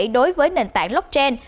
đối với nền tảng blockchain